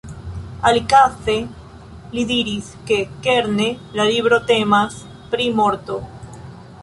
Alikaze li diris, ke kerne la libro temas pri morto.